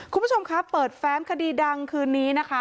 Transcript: คุณผู้ชมคะเปิดแฟ้มคดีดังคืนนี้นะคะ